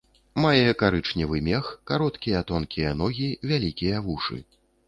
Мае карычневы мех, кароткія тонкія ногі, вялікія вушы.